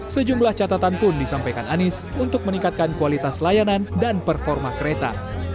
sejumlah catatan pun disampaikan anies untuk meningkatkan kualitas layanan dan performa kereta